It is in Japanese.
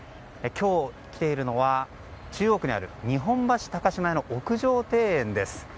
今日、来ているのは中央区にある日本橋高島屋の屋上庭園です。